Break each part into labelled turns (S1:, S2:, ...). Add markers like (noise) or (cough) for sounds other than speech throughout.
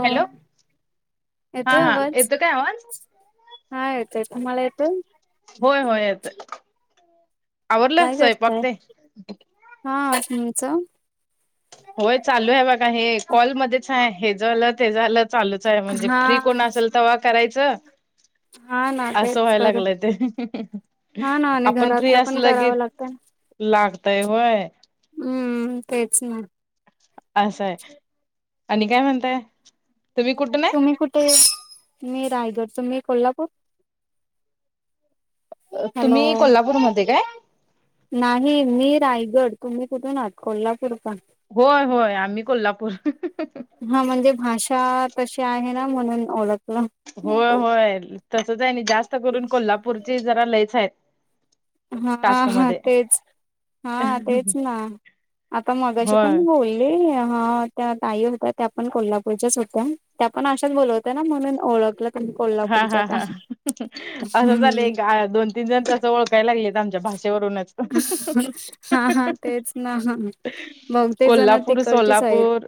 S1: हो
S2: हॅलो हा
S1: येतोय
S2: हा
S1: अवाज.
S2: येतो काय आवाज
S1: हा येतोय, तुम्हाला येतोय.
S2: होय होय येतोय, आवरलं
S1: काय करताय
S2: स्यंपाक ते.
S1: हा, तुमच.
S2: होय चालूय बघा हे, कॉलमध्येच हाय, हे झालं ते झालं. चालूचे, म्हणजे
S1: हा
S2: फ्री कोण असेल, तव्हा करायचं.
S1: हा ना
S2: असं
S1: तेच
S2: व्हाय
S1: तर
S2: लागलंय ते,
S1: हा ना आणि
S2: आपण फ्री
S1: घरातलं पण
S2: असलं की
S1: करावं लागतं
S2: लागतय होय.
S1: हम्म तेच ना.
S2: असंय, आणि काय म्हणताय, तुम्ही कुठन
S1: मी कुठे, मी रायगडच, मी कोल्हापूर. हॅलो
S2: तुम्ही कोल्हापूरमध्ये काय?
S1: नाही मी रायगड, तुम्ही कुठून आहात, कोल्हापूर का?
S2: होय होय, आम्ही कोल्हापूर.
S1: हा म्हणजे भाषा कशी आहे ना, म्हणून ओळखलं.
S2: होय होय तसचे नी, जास्त करून कोल्हापूरची जरा लईच हाय.
S1: हा हा तेच, हा तेच ना, आता मगाशी पण
S2: होय
S1: बोल ले, ह त्या ताई होत्या, त्या पण कोल्हापूरच्याच होत्या, त्या पण अशाच बलावत होत्या ना, म्हणून ओळख.
S2: हा हा हा असं झालंय, एक दोन तीन जण तस ओळखय लागलेय, आम
S1: हा हा, तेच ना, ह. बहुतेक जण,
S2: कोल्हापूर
S1: तिकडचेच आहेत.
S2: सोलापूर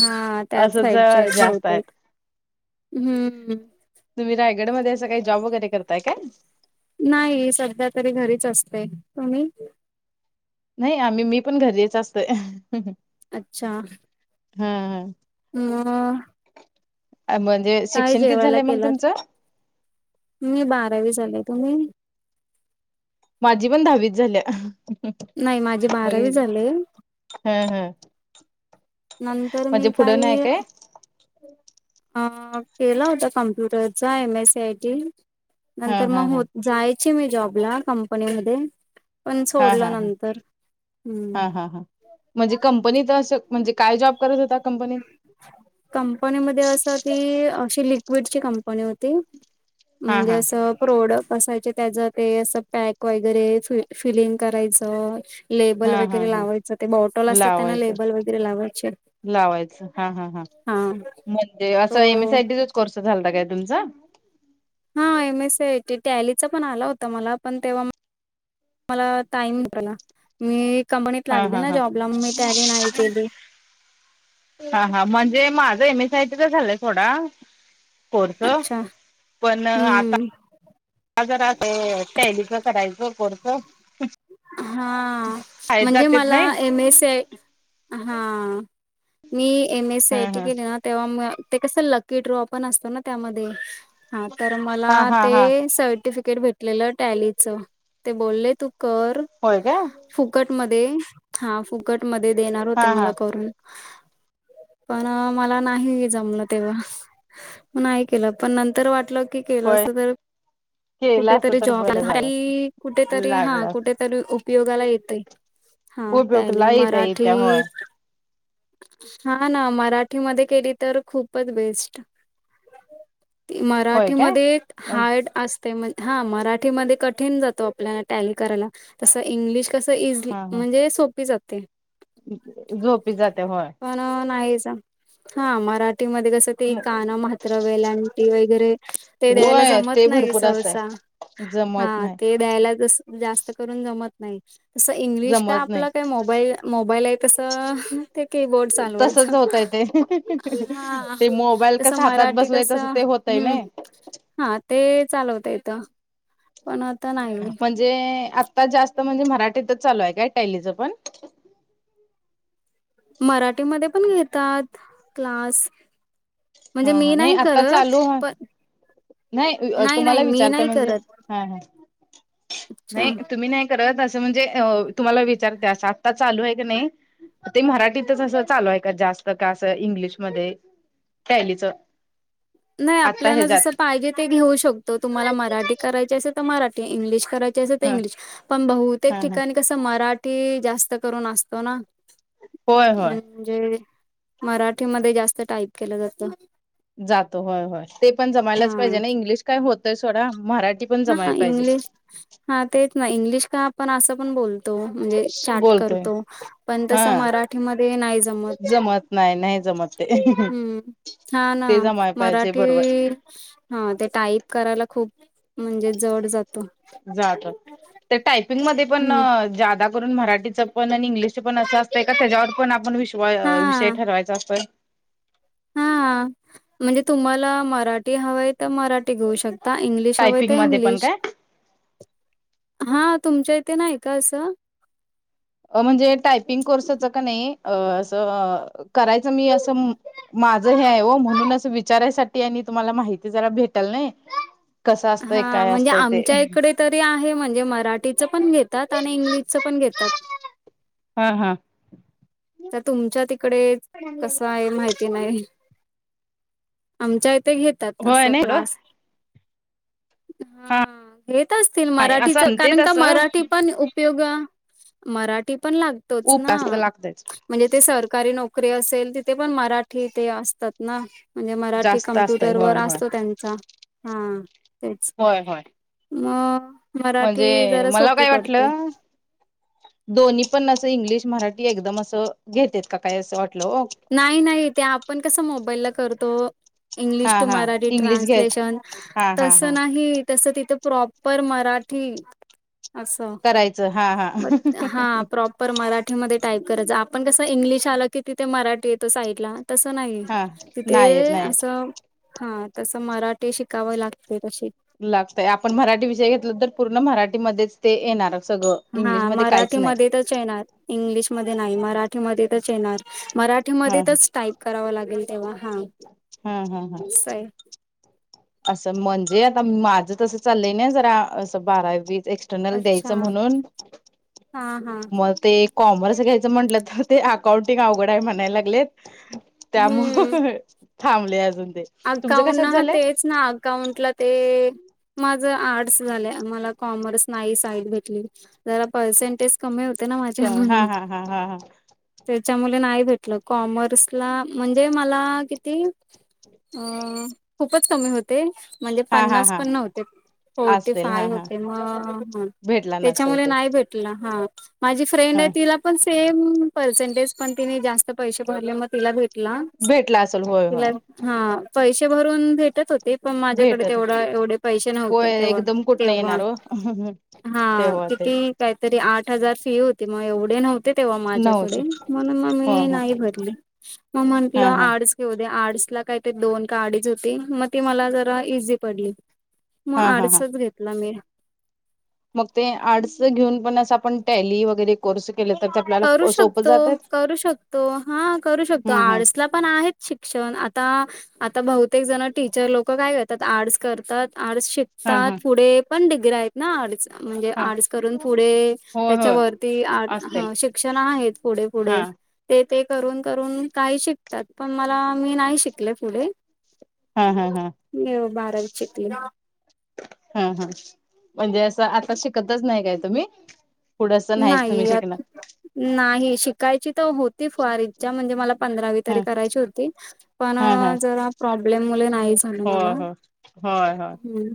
S1: हा त्याच
S2: असंच
S1: साईडचेय
S2: जास्त
S1: बहुतेक,
S2: आहेत
S1: हम्म.
S2: तुम्ही रायगड मध्ये, असं काही, जॉब वगैरे करताय काय?
S1: नाही, सध्या तरी घरीच असते, तुम्ही?
S2: नाही, आम्ही मी पण घरीच असते.
S1: अच्छा, म
S2: म्हणजे, शिक्षण किती
S1: जेवायला
S2: झालंय, मग
S1: केलात?
S2: तुमचं.
S1: मी बारावी झाले तुम्ही
S2: माझी पण दहावीच झाल्या
S1: नाही माझी
S2: मु
S1: बारावी झाले
S2: हा हा
S1: नंतर
S2: म्हणजे
S1: मी
S2: पुढं नाही
S1: काही
S2: काय
S1: अ केला होता कमप्युटरचा M S C I T
S2: हा
S1: नंतर
S2: हा
S1: मग हो
S2: हा
S1: जायचे मी जॉबला कंपनीमध्ये पण
S2: हा हा
S1: सोडलं
S2: हा
S1: नंतर हम्म
S2: हा हा हा म्हणजे कंपनीत असं म्हणजे काय जॉब करत होता कंपनीत.
S1: कंपनी मध्ये असं ती अशी लिक्विडची कंपनी होती
S2: हा
S1: म्हणजे
S2: हा
S1: असं. प्रोडक्ट असायचे त्याच ते असं पॅक वगैरे फि फिलिंग करायचं. लेबल
S2: हा हा
S1: वगैरे
S2: हा
S1: लावायचं ते बॉटल असतात त्यांना
S2: लावायचं
S1: लेबल वगैरे लावायचे.
S2: लावायचं हा हा हा म्हणजे असं
S1: तो
S2: M S C I T. चा कोर्स झालता काय तुमचा.
S1: हा M S C I T टॅलीचा पण आला होता मला पण तेव्हा. मला टाईम होत ना मी कंपनीत
S2: हा
S1: लागली
S2: हा
S1: ना
S2: हा
S1: जॉबला म मी त्यानी नाही केली.
S2: हा हा म्हणजे माझं एम एसआयटीच झालंय थोडा. कोर्
S1: अच्छा
S2: पण आता
S1: हम्म
S2: आता जरा टैलीच करायचं कोर्स.
S1: हा
S2: शाळेत
S1: म्हणजे
S2: जातेत
S1: मला
S2: नाही
S1: M S C I T हा. मी एम एस सी आय
S2: हा
S1: टी
S2: हा
S1: केली ना तेव्हा ते कसं लकी ड्रॉ पण असतो ना त्यामध्ये. हा तर मला
S2: हा हा
S1: ते
S2: हा
S1: सर्टिफिकिट तिकट भेटलेलं टॅलीच ते बोलले तू कर.
S2: होय काय.
S1: फुकट मध्ये हा फुकट मध्ये देणार होते
S2: हा हा
S1: मला करून.
S2: (inaudible)
S1: पण मला नाही जमलं तेव्हा म नाही केलं पण नंतर वाटलं. केलं
S2: होय
S1: असतं तर
S2: केला असत
S1: कुठेतरी
S2: तर
S1: जॉब
S2: बरं
S1: लागला असता
S2: झालं असत
S1: कुठेतरी हा
S2: लागला
S1: कुठेतरी. तर उपयोगाला येतय हा टॅली
S2: उपयोगला येत्या येत्या होय
S1: मराठीत हा ना मराठीमध्ये केली तर खूपच बेस्ट.
S2: होय काय
S1: मराठीमध्ये एक
S2: मग
S1: हार्ड असते. हा मराठीमध्ये कठीण जात आपल्याला टॅली करायला तसे इंग्लिश कस इजी म्हणजे सोपी जाते.
S2: सोपी जाते होय.
S1: पण नाही हा मराठीमध्ये कसं ते कानं म्हात्रा वेलांटी वगैरे. ते द्यायला
S2: होय
S1: जमत
S2: ते
S1: नाही
S2: भरपूर असतय
S1: सहसा
S2: जमत
S1: हा
S2: नाही
S1: ते. द्यायला जास्त करून जमत नाही. जसं इंग्लिश का
S2: जमत नाही
S1: आपलं काय मोबाईल मोबाईल आहे तसं ते कीबोर्ड
S2: तसच
S1: चालवायचं.
S2: होतय ते
S1: हा
S2: ते मोबाईल
S1: तस
S2: कस हातात
S1: मराठी
S2: बसलय
S1: कस
S2: तस ते होतय
S1: हम्.
S2: नाही
S1: हा ते चालवता येतं पण आता नाही.
S2: जे आता जास्त म्हणजे मराठीतच चालू आहे काय टॅली च पण.
S1: मराठीमध्ये पण घेतात क्लास.
S2: हा
S1: म्हणजे मी
S2: हा नाही आता
S1: करत
S2: चालू आहे
S1: पण
S2: नाही तुम्हाला
S1: नाही मी
S2: विचारते
S1: नाही
S2: म्हणजे.
S1: करत
S2: हा हा
S1: अच्छा
S2: नाही तुम्ही नाही. त असं म्हणजे तुम्हाला विचारते असं आत्ता चालू आहे की नाही. ते मराठीतच असं चालू आहे का जास्त का अस इंग्लिशमध्ये. टॅलीच.
S1: नाही
S2: आता
S1: आपल्याला जसं
S2: ह्याच्यात
S1: पाहिजे ते घेऊ शकतो तुम्हाला मराठी करायची असेल तर मराठी इंग्लिश करायची.
S2: ह
S1: इंग्लिश पण
S2: ह
S1: बहुतेक
S2: ह
S1: ठिकाणी कस मराठी जास्त करून असतो ना.
S2: होय होय.
S1: म्हणजे मराठीमध्ये जास्त टाईप केलं जातं.
S2: जात होय होय ते पण जमायलाच पाहिजे
S1: हा
S2: ना इंग्लिश काय होतंय सोडा मराठी. पण जमाय
S1: हा
S2: पाहिजे
S1: इंग्लिश हा तेच ना इंग्लिश का आपण असं पण बोलतो. म्हणजे चाट
S2: बोलतोय
S1: करतो पण तस
S2: हा
S1: मराठीमध्ये नाही जमत.
S2: नाही नाही जमत ते
S1: हम्म हा ना
S2: ते जमाय पाहिजे
S1: मराठी.
S2: बरोबर
S1: हा ते टाईप करायला खूप म्हणजे जड जात.
S2: जात टायपिंग मध्ये पण
S1: हम्म
S2: जादा. करून मराठीच पण आणि इंग्लिश पण असं असतं का त्याच्यावर पण आपण विषय
S1: हा
S2: ठरवायचा असतोय.
S1: हा म्हणजे तुम्हाला मराठी हव आहे तर मराठी घेऊ शकते. ता इंग्लिश हवय तर
S2: टायपिंग मध्ये पण
S1: इंग्लिश
S2: काय
S1: हा तुमच्या इथे नाही का असं
S2: अ म्हणजे टायपिंग कोर्सचं का नाही असं करायचं मी असं माझं हे आहे हो म्हणूनच विचारायसाठी आणि तुम्हाला माहिती जरा भेटल नाही कसं असतय
S1: हा
S2: काय
S1: म्हणजे
S2: असतय ते
S1: आमच्या इकडे तरी आहे म्हणजे मराठीचं पण घेतात आणि इंग्लिशच पण घेतात
S2: हा हा
S1: तर तुमच्या तिकडे कस आहे माहित नाही आमच्या इथे घेतात अस
S2: होय नाही एवढं
S1: क्लास हा हेेत असतील
S2: असं
S1: मराठीच
S2: म्हणते
S1: कारण का
S2: तसं
S1: मराठी पण उपयोग मराठी पण लागतोच
S2: ऊब
S1: ना
S2: जास्त लागतयच
S1: म्हणजे ते सरकारी नोकरी असेल तिथे पण मराठी ते असतात म्हणजे मराठी
S2: जास्त असतय
S1: कम्प्युटर वर
S2: होय होय
S1: असतो त्यांचा हा तेच
S2: होय होय
S1: ह
S2: म्हणजे मला काय वाटलं दोन्ही पण असं इंग्लिश मराठी एकदम असं घेतेत का काय असं वाटलं
S1: नाही नाही ते आपण कसं मोबाईल ला करतो इंग्लिश
S2: हा
S1: टू
S2: हा
S1: मराठी
S2: इंग्लिश घ्यायच
S1: ट्रान्सलेशन
S2: हा हा
S1: तस
S2: हा
S1: नाही तसं तिथं प्रॉपर मराठी असं
S2: करायचं हा हा
S1: ब हा प्रॉप मराठीमध्ये टाईप करायच आपण कसं इंग्लिश आल की तिथे मराठी येतो साईडला तसं नाही
S2: हा
S1: तिथे
S2: नाहीयेत नाहीयेत
S1: असं हा तसं मराठी शिकावं लागते तशी
S2: लागतय आपण मराठी विषय घेतल तर पूर्ण मराठीमध्येच ते येणार सगळं
S1: हा
S2: इंग्लिशमध्ये काहीच नाही
S1: मराठीमध्ये तरच येणार इंग्लिशमध्ये नाही मराठीमध्ये च येणार
S2: हा
S1: मराठीमध्येतच टाईप कराव लागेल तेव्हा हा
S2: हा हा हा
S1: आहे
S2: असं म्हणजे आता माझ तसं चाललंय ना जरा असं बारा वीस एक् टनल
S1: अच्छा
S2: द्यायच म्हणून
S1: हा हा
S2: मग ते कॉमर्स घ्यायचं म्हटलं तर ते अकाउंटिंग अवघड आहे म्हणायला लागलेत त्यामु
S1: हम्म
S2: थांबले अजून ते तुमचं कशात
S1: अकाउंट ह
S2: झालंय
S1: तेच ना अकाउंटला ते माझ आर्टस झाल्या मला कॉमर्स नाही साईड घेतली जरा पर्सेंटेज कमी होते ना माझ्या
S2: हा
S1: म्हणून
S2: हा हा हा
S1: त्याच्यामुळे नाही भेटलं कॉमर्सला म्हणजे मला किती अं खूपच कमी होते म्हणजे
S2: हा हा हा
S1: पन्नास
S2: हा
S1: पण नव्हते फोर्टी
S2: असतील
S1: फाय
S2: हा हा
S1: होते मग
S2: भेटला नसेल
S1: त्याच्यामुळे
S2: ते
S1: नाही भेट ह माझी फ्रेंड आहे
S2: ह
S1: तिला पण सेम पर्सेंटेज पण तिने जास्त पैसे भरले मग तिला भेटला
S2: भेटला असेल होय
S1: तिला
S2: होय
S1: हा पैसे भरून भेटत होते ते पण माझ्याकडे
S2: भेटत
S1: तेवढा एवढे पैसे नव्हते
S2: होय
S1: तेव्हा
S2: एकदम कुठन
S1: तेव्हा
S2: येणार हो
S1: हा
S2: ते हो ते
S1: किती काहीतरी आठ हजार फी होती ते मग एवढे नव्हते तेव्हा माझ्याकडे
S2: नव्हते
S1: म्हण मग
S2: हो
S1: मी
S2: ह
S1: नाही भरली ममंटलं
S2: हा हा
S1: आडच तेवद्या आर्डस ला काही ते दोन का्डीच होती मग ती मला जरा इझी पडली मग
S2: हा हा हा
S1: आर्टसच घेतल मी
S2: मग ते आर्टस घेऊन पण असं आपण टॅली वगैरे कोर्स केलतर आपला
S1: करू शकतो करू शकतो हा करू शकतो
S2: हम्म हम्म
S1: आडसला पण आहेत शिक्षण आता आता बहुतेक जण टीचर लोक काय करतात आर्ट्स करतात आर्ट्स शिकात
S2: हा
S1: त्यात
S2: हा
S1: पुढे पण डिगर्या आहेत ना अडीच म्हणजे
S2: हा
S1: आर्टस करून पुढे
S2: होय होय
S1: त्याच्यावरती
S2: असतील
S1: क्षण आहेत पूढे
S2: हा
S1: पूढे ते ते करून करून काही शिकतात पण मला मी नाही शिकले पुढे
S2: हा् हा हा
S1: मी बारावीत शिकले.
S2: हा हा म्हणजे असं आता शिकतच नाही काय तुम्ही पुढं असं नाहीच तुम्ही
S1: नाही
S2: शिकणार
S1: नाही शिकायची तर होती फार ईच्या म्हणजे मला पंधरावी तरी
S2: हा
S1: करायची होती पण
S2: हा हा
S1: जरा प्रॉब्लेम मुले नाही झालं
S2: होय
S1: मला
S2: होय होय ह
S1: हम्म.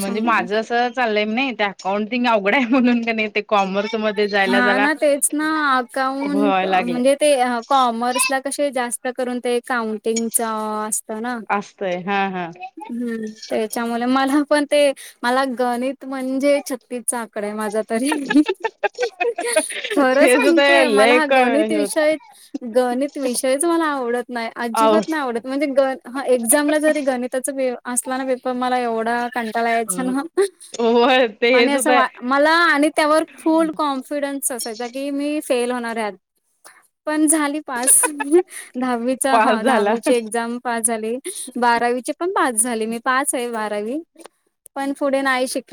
S2: म्हणजे माझं असं चाललंय नाही ते अकाउंटिंग अवघडं आहे म्हणून का नाही ते कॉमर्स म
S1: हा ना तेच ना अकाउंट
S2: व्हाय लागले
S1: म्हणजे ते कॉमर्स ला कसे जास्त करून ते काउंटिंग च अस
S2: असतय हा हा
S1: हम्म त्याच्यामुळे मला पण ते मला गणित म्हणजे छत्तीच आकडे आहे माझा तरी खरं
S2: तेच ते
S1: सांगते मला
S2: लय
S1: हा
S2: क
S1: गणित
S2: हे होत
S1: विषय गणित विषय मला आवडत नाही
S2: आहो
S1: अजिबात नाही आवडत म्हणजे एक्झामला जरी गणित त्याच पि असला ना पेपर मला एवढा कंटाला यायचा ना
S2: होय ते
S1: आणि
S2: हेच
S1: असं
S2: होत
S1: वा मला आणि त्यावर फुल कॉन्फिडन असायचा क मी फेल होणार पण झाली दहावीचा एक्झाम
S2: पास
S1: हा
S2: झाला
S1: दहावीची एक्झाम पास झाली आणि बारावी पण पास झाली मी पाच आहे बारावी पण पुढे नाही शिक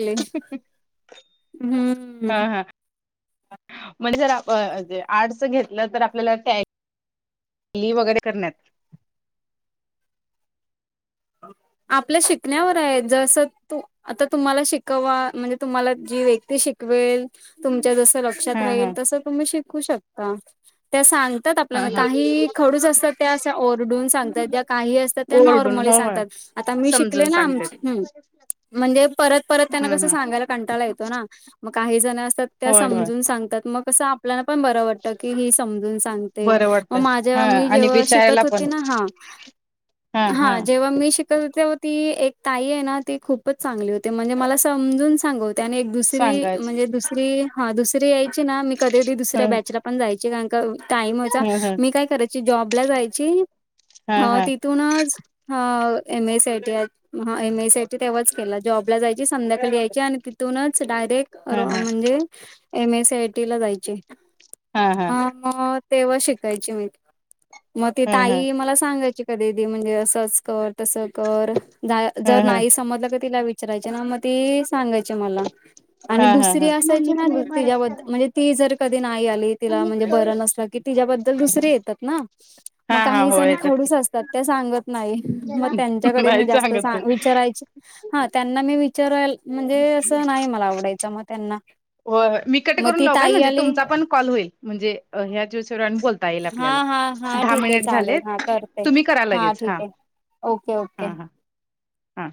S1: हम्म
S2: हा हा (unintelligible) म्हणज जर आर्टच घेतलं तर आपल्याला टॅक् ली वगैरे करण्यात
S1: आपल्या शिकण्यावर आहे जस तू आता तुम्हाला शिकवा म्हणजे तुम्हाला जी व्यक्ती शिकवेल तुमच्या जस लक्षात
S2: हा हा
S1: राहील तस तुम्ही शिकू शकता त्या सांगतात
S2: हा
S1: आपल्याला
S2: हा
S1: काही खडूस असतात त्या अस ओरडून सांगतात ज्या काही असतात त्या
S2: ओरडून
S1: नॉर्मली
S2: हो
S1: सांगतात
S2: होय
S1: आ मी शिकले
S2: समजून
S1: ना
S2: सांगते
S1: म्हणजे परत परत त्यांना
S2: हम्
S1: कस
S2: हम
S1: सांगाय कंटाळा येतो ना काहीतात त्या
S2: होय होय
S1: समजून सात म आपल्या पण ब क समजून सांगते
S2: बरं
S1: मग
S2: वाटतंय
S1: माझी
S2: हा
S1: मी
S2: आणि
S1: जेव्हा
S2: विचारायला
S1: शिकत होती
S2: पण
S1: ना हा
S2: हा हा
S1: शिकती एक ताई आहे ना ती खूपच चांगली होती म्हणजे मला समजून सांग त्याने एक दुसरी
S2: सांगायच
S1: म्हणजे दुसरी ह दुसरी यायची ना मी कधी कधी
S2: ह
S1: दुसऱ्या बॅचला पण जायची कार का टाईम वचा
S2: ह ह
S1: मी काय करायची जॉबला जायची
S2: हा हा
S1: तूनच ह एम एस आय टी आहेत हा एम ए साीची तेव्हाच केला जॉबला जायची संध्याकाळी यायची आणि तिथूनच डायरेक्ट
S2: हा हा
S1: म्हणजे एम एसी आय टी ला जायचे
S2: हा हा
S1: ह मग तेव्हा शिकायची मी मग ती
S2: ह ह
S1: ताई मला सांगायची की म्हणजे असंच कर तस कर
S2: ह
S1: जर
S2: ह
S1: नाही समजलं क तिला विच विचरायचे ना मग ते सांगायचे मला आणि
S2: हा हा
S1: दुसरी
S2: हा
S1: असायची ना तिच्याबद्ल म्हणजे ती जर कधी नाही आली तिला म्हणजे बरं नसलं की तिच्याबद्दल दुसर येतात ना मग
S2: हा हा
S1: काही
S2: होय
S1: जणी
S2: येतात की
S1: खडूस असतात ते सांगत नाही मग त्यां च
S2: नाही सांगत
S1: म्हणजे असं नाही मला आवडायचं मग त्यांना
S2: मी कट
S1: मग
S2: करून
S1: ती
S2: लावू काय
S1: ताई
S2: म्हणजे
S1: आली
S2: तुमचा पण कॉल होईल म्हणजे ह्याच दिवशी बोलतो
S1: हा
S2: आपल्या
S1: हा हा
S2: दहा
S1: ठीक आहे
S2: मिन
S1: चालेल
S2: झाले
S1: हा करते
S2: तुम्ही करा लगे हा
S1: ठीक आहे ओके ओके
S2: हा हा हा